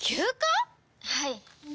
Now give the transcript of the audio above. はい。